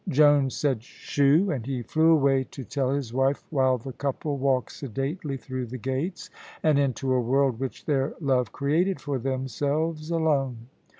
Joan said "Shoo!" and he flew away to tell his wife, while the couple walked sedately through the gates, and into a world which their love created for themselves alone.